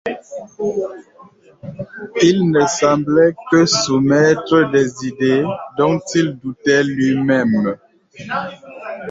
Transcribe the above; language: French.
Il ne semblait que soumettre des idées, dont il doutait lui-même.